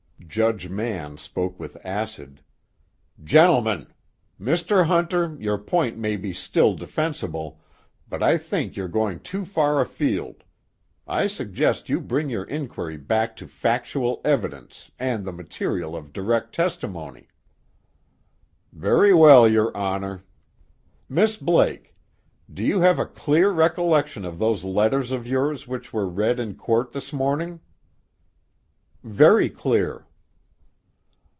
Judge Mann spoke with acid: "Gentlemen ... Mr. Hunter, your point may be still defensible, but I think you're going too far afield. I suggest you bring your inquiry back to factual evidence and the material of direct testimony." "Very well, your Honor. Miss Blake, do you have a clear recollection of those letters of yours which were read in court this morning?" "Very clear."